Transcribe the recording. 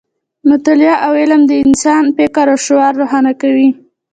مطالعه او علم د انسان فکر او شعور روښانه کوي.